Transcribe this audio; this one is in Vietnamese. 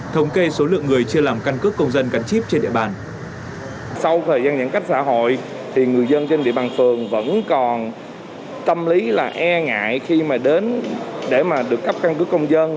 thống kê số lượng người chưa làm căn cước công dân gắn chip trên địa bàn